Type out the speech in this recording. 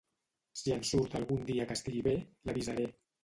Si en surt algun dia que estigui bé, l'avisaré.